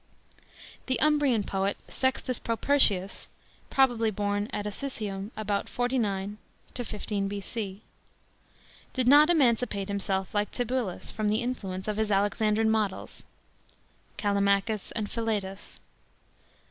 The Umbrian poet SEXTUS PROPERTIUS (probably born at Asisium, about 49 15 B.C.) did not emancipate himself like Tibullus from the influence of his Alexandrine models, Callimachus and Philetas.